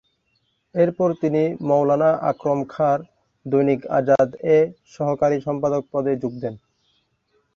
এরপর তিনি মওলানা আকরম খাঁ'র 'দৈনিক আজাদ'-এ সহকারী সম্পাদক পদে যোগ দেন।